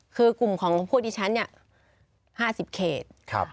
คือกลุ่มของผู้ดิฉันห้าสิบเขต